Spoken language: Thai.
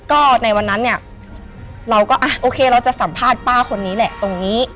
ก็ในวันนั้นเนี่ยเราก็อ่ะโอเคเราจะสัมภาษณ์ป้าคนนี้แหละตรงนี้